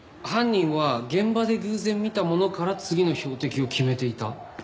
犯人は現場で偶然見たものから次の標的を決めていた？